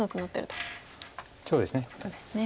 そうですね。